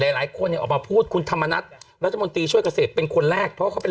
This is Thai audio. ใหญ่คนออกมาพูดคุณธรรมณรัฐมนตร์ช่วยเกษตรเป็นคนแรกเพราะเขาเป็น